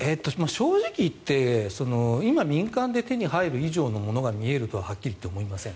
正直言って今、民間で手に入る以上のものが見えるとははっきり言って思いません。